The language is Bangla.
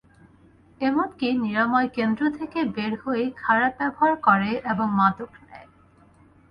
এমনকি নিরাময়কেন্দ্র থেকে বের হয়েই খারাপ ব্যবহার করে এবং মাদক নেয়।